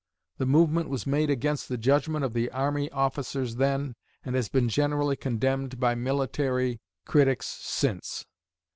The movement was made against the judgment of the army officers then, and has been generally condemned by military critics since.